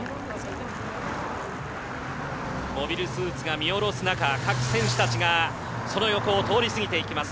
モビルスーツが見下ろす中、各選手たちがその横を通り過ぎていきます。